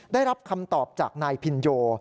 ได้รับคำตอบจากนายพินโย